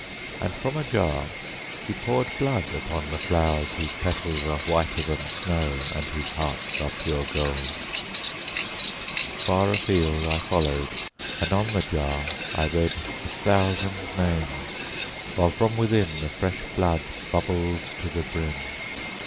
and from a jar she poured blood upon the flowers whose petals are whiter than snow and whose hearts are pure gold. Far afield I followed, and on the jar I read a thousand names, while from within the fresh blood bubbled to the brim.